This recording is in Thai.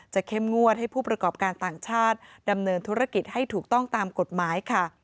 เข้มงวดให้ผู้ประกอบการต่างชาติดำเนินธุรกิจให้ถูกต้องตามกฎหมายค่ะ